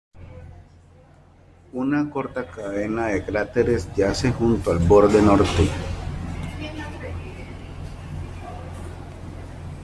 Una corta cadena de cráteres yace junto al borde norte.